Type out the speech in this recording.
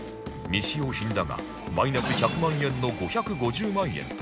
未使用品だがマイナス１００万円の５５０万円と予想